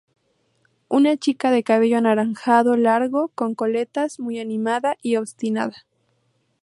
Una chica de cabello anaranjado largo con coletas muy animada y obstinada.